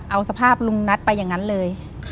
เอาสภาพลุงนัทไปอย่างนั้นเลย